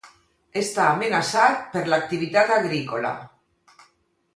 Està amenaçat per l'activitat agrícola.